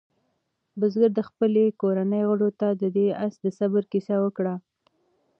بزګر د خپلې کورنۍ غړو ته د دې آس د صبر کیسه وکړه.